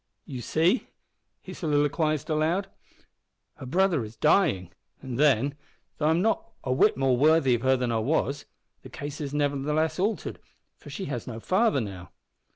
"You see," he soliloquised aloud, "her brother is dying; and then, though I am not a whit more worthy of her than I was, the case is nevertheless altered, for she has no father now.